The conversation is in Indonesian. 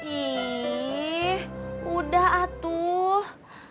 ihhh udah atuh